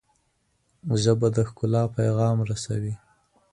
ژبه د ښکلا پیغام رسوي